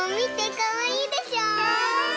かわいい！